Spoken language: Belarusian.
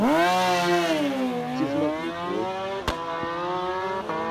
Ці змаглі б вы?